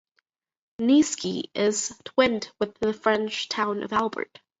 Niesky is twinned with the French town of Albert.